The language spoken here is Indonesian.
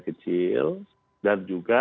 kecil dan juga